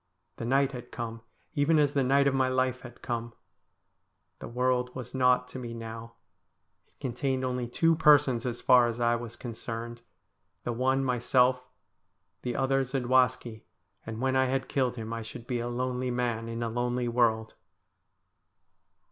The night had come, even as the night of my life had come. The world was naught to me now. It contained only two persons as far as I was concerned. The one myself, the other Zadwaski, and when I had killed him I should be a lonely man in a lonely world.